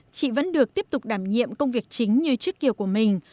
chị vẫn được tiếp tục đảm nhiệm công việc chính như trước kiều của mình